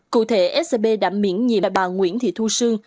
cụ thể scb đã miễn nhiệm là bà nguyễn thị thu sương